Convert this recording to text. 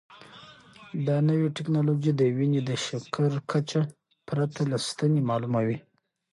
دا نوې ټیکنالوژي د وینې د شکر کچه پرته له ستنې معلوموي.